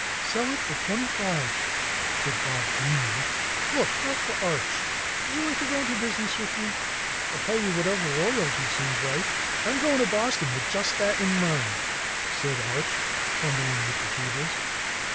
"Sell it for twenty five," said Bob dreamily. "Look, Dr. Arch, would you like to go into business with me? I'll pay you whatever royalty seems right." "I'm going to Boston with just that in mind," said Arch, fumbling with the cables.